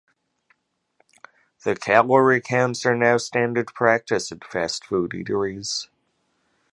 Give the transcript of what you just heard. The calorie counts are now standard practice at fast food eateries.